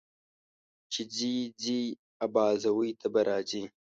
چې ځې، ځې ابازوی ته به راځې.